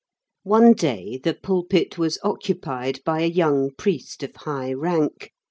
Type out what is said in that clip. One day the pulpit was occupied by a young priest of high rank, M.